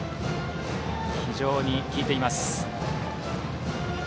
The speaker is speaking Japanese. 非常に効いています。